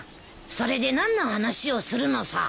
それで何の話をするのさ？